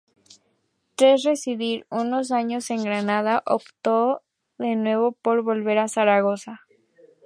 Tras residir unos años en Granada optó de nuevo por volver a Zaragoza.